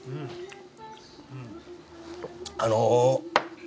あの。